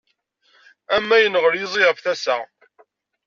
Am ma yennɣel yiẓi ɣef tasa.